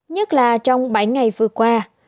nhất là trong bảy ngày vừa qua